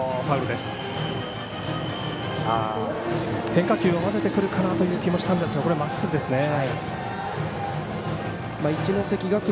変化球を交ぜてくるかなという気もしたんですがまっすぐでした。